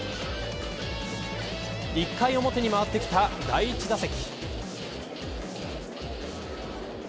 １回表に回ってきた第１打席。